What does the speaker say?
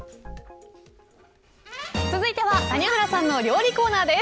続いては谷原さんの料理コーナーです。